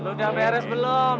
lu udah beres belum